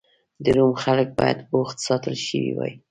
د روم خلک باید بوخت ساتل شوي وای.